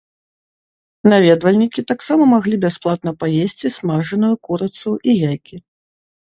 Наведвальнікі таксама маглі бясплатна паесці смажаную курыцу і яйкі.